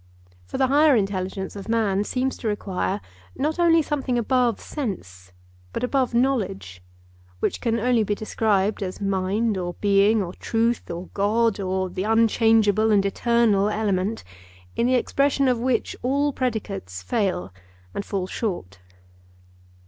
For the higher intelligence of man seems to require, not only something above sense, but above knowledge, which can only be described as Mind or Being or Truth or God or the unchangeable and eternal element, in the expression of which all predicates fail and fall short.